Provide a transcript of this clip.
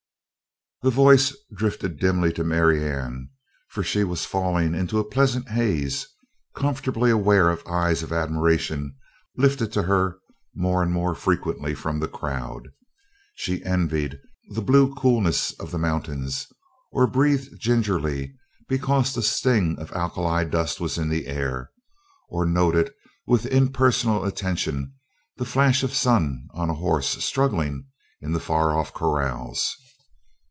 The voice drifted dimly to Marianne for she was falling into a pleasant haze, comfortably aware of eyes of admiration lifted to her more and more frequently from the crowd. She envied the blue coolness of the mountains, or breathed gingerly because the sting of alkali dust was in the air, or noted with impersonal attention the flash of sun on a horse struggling in the far off corrals.